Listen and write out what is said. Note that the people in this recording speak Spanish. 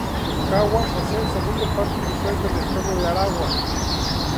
Cagua posee el segundo parque industrial del estado Aragua.